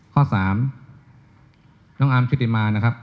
ข้อ๓น้องอาร์มชุติมานะครับ